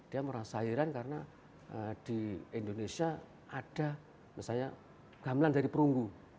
dia merasa heran karena di indonesia ada misalnya gamelan dari perunggu